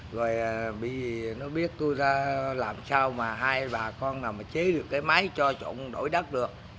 rồi bây giờ nó biết tôi ra làm sao mà hai bà con nào mà chế được cái máy cho trộn đổi đất được